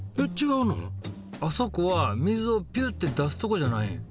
あそこは水をピュッて出すとこじゃないん？